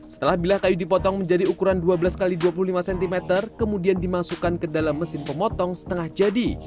setelah bila kayu dipotong menjadi ukuran dua belas x dua puluh lima cm kemudian dimasukkan ke dalam mesin pemotong setengah jadi